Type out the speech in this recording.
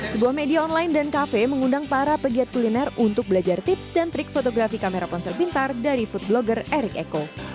sebuah media online dan kafe mengundang para pegiat kuliner untuk belajar tips dan trik fotografi kamera ponsel pintar dari food blogger erik eko